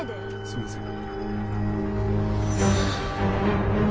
すみません。